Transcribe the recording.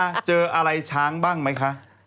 เจอเจออะไรช้างบ้างมั้ยคะ